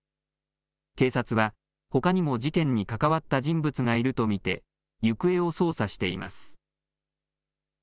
警察は、ほかにも事件に関わった人物がいると見て、行方を捜査しています。